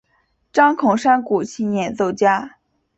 张孔山古琴演奏家。